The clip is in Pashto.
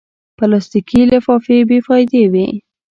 پلاستيکي لفافې بېفایدې وي.